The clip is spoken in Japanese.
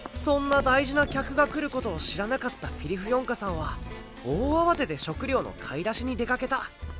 そんな大事な客が来ることを知らなかったフィリフヨンカさんは大慌てで食料の買い出しに出かけた。